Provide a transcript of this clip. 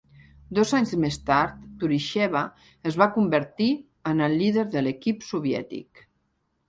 Dos anys més tard, Tourischeva es va convertir en el líder de l'equip soviètic.